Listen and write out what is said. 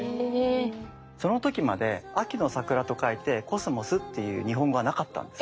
その時まで秋の桜と書いてコスモスっていう日本語はなかったんです。